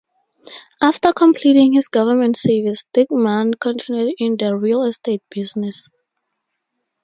After completing his government service, Dickmann continued in the real estate business.